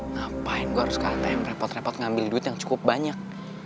ngapain gue harus ke atm repot repot ngambil duit yang cukup banyak